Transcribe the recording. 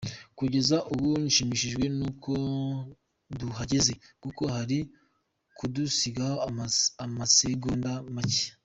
Kugeza ubu nshimishijwe n’uko duhagaze, kuko bari kudusigaho amasegonda macye”.